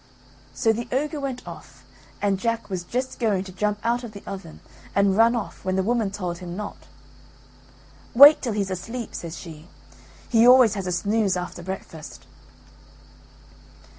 So the ogre went off, and Jack was just going to jump out of the oven and run off when the woman told him not. "Wait till he's asleep," says she; "he always has a snooze after breakfast."